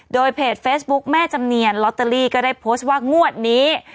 โดยเพจเฟซบุ๊คแม่จำเนียนลอตเตอรี่ก็ได้โพสต์ว่างวดนี้